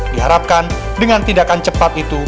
diharapkan dengan tindakan cepat itu